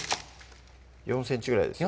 ４ｃｍぐらいですよね